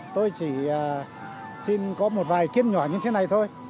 tôi chỉ xin có một vài kiêm nhỏ như thế này thôi